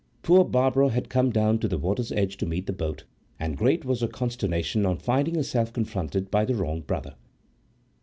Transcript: Poor Barbara had come down to the water's edge to meet the boat, and great was her consternation on finding herself confronted by the wrong brother.